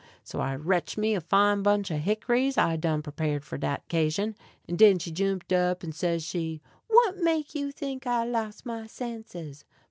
So I retch me a fine bunch of hick'ries I done prepared for dat 'casion. And den she jumped up, and says she: "What make you think I loss my senses?"